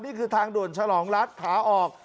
นี่คือทางด่วนฉลองรัฐขาออก